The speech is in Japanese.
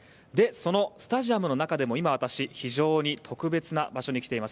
そのスタジアムの中でも今、私、非常に特別な場所に来ています。